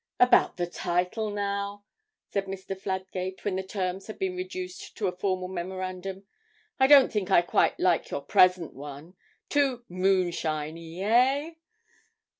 'About the title now?' said Mr. Fladgate, when the terms had been reduced to a formal memorandum. 'I don't think I quite like your present one; too moonshiny, eh?'